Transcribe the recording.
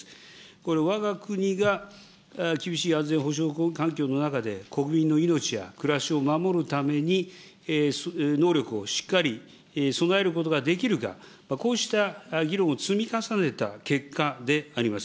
これはわが国が厳しい安全保障環境の中で国民の命や暮らしを守るために能力をしっかり備えることができるか、こうした議論を積み重ねた結果であります。